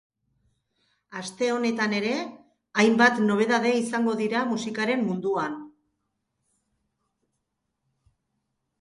Aste honetan ere, hainbat nobedade izango dira musikaren munduan.